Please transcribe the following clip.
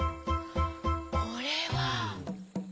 これは。